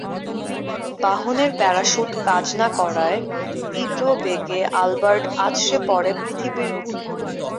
তার বাহনের প্যারাসুট কাজ না করায় তীব্র বেগে আলবার্ট আছড়ে পড়ে পৃথিবীর বুকে।